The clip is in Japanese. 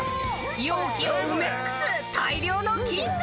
［容器を埋め尽くす大量の菌が］